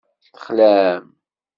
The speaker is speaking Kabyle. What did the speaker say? Texlam.